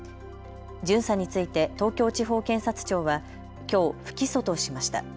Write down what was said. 巡査について東京地方検察庁はきょう不起訴としました。